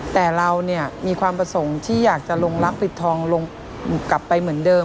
แต่เราเนี่ยมีความประสงค์ที่อยากจะลงรักปิดทองลงกลับไปเหมือนเดิม